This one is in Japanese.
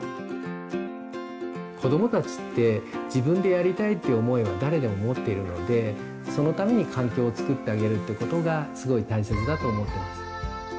子どもたちって「自分で」やりたいっていう思いは誰でも持っているのでそのために環境を作ってあげるってことがすごい大切だと思ってます。